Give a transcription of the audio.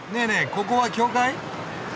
ここは教会？